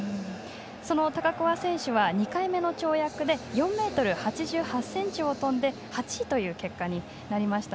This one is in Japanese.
高桑選手は２回目の跳躍で４ｍ８８ｃｍを跳んで８位という結果になりました。